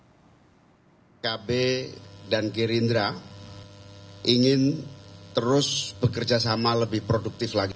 pkb dan gerindra ingin terus bekerja sama lebih produktif lagi